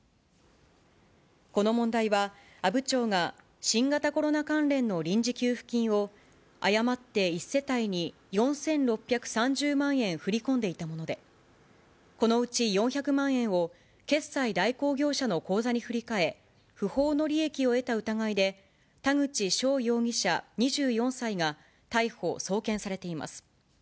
この問題は、阿武町が新型コロナ関連の臨時給付金を、誤って１世帯に４６３０万円振り込んでいたもので、このうち４００万円を決済代行業者の口座に振り替え、不法の利益を得た疑いで、田口翔容疑者２４歳が逮捕・送検されています。